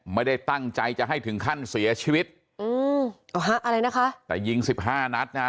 ไม่ได้ตั้งใจจะให้ถึงขั้นเสียชีวิตอืมเอาฮะอะไรนะคะแต่ยิงสิบห้านัดนะฮะ